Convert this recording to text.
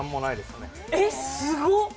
えっ、すごっ！